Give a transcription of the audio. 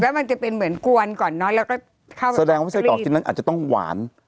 มันจะเป็นเหมือนกวนก่อนเนอะแล้วก็แสดงว่าไส้กรอกชิ้นนั้นอาจจะต้องหวาน